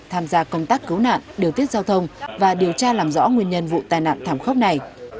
tham gia công tác cứu nạn điều tiết giao thông và điều tra làm rõ nguyên nhân vụ tai nạn thảm khốc này